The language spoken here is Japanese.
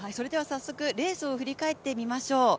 早速レースを振り返ってみましょう。